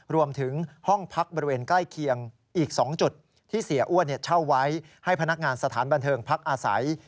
รวมถึงห้องพักบริเวณใกล้เคียงอีก๒จุดที่เสียอ้วนเช่าไว้ให้พนักงานสถานบันเทิงพักอาศัย